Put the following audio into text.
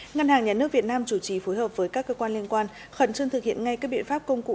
ngân hàng nhà nước việt nam chủ trì phối hợp với các cơ quan liên quan khẩn trương thực hiện ngay các biện pháp công cụ